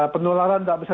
penularan gak bisa